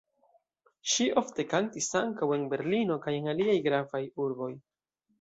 Ŝi ofte kantis ankaŭ en Berlino kaj en aliaj gravaj urboj.